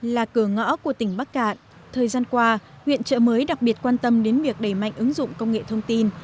là cửa ngõ của tỉnh bắc cạn thời gian qua huyện trợ mới đặc biệt quan tâm đến việc đẩy mạnh ứng dụng công nghệ thông tin